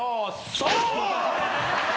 そう！